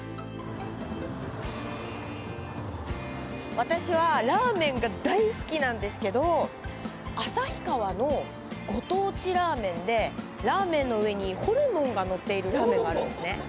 私はラーメンが大好きなんですけど旭川のご当地ラーメンでラーメンの上にホルモンがのっているラーメンがあるんですね。